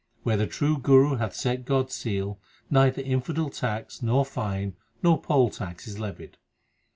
Where the true Guru hath set God s seal Neither infidel tax, nor fine, nor poll tax is levied.